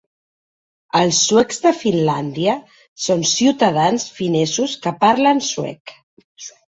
Els Suecs de Finlàndia son ciutadans finesos que parlen suec.